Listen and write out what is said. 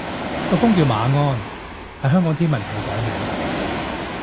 個風叫馬鞍，係香港天文台改名